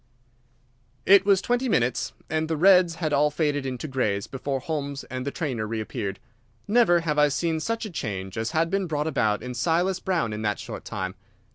It was twenty minutes, and the reds had all faded into greys before Holmes and the trainer reappeared. Never have I seen such a change as had been brought about in Silas Brown in that short time.